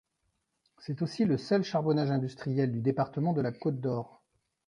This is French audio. C'est aussi le seul charbonnage industriel du département de la Côte-d'Or.